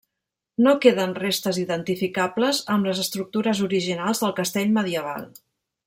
No queden restes identificables amb les estructures originals del castell medieval.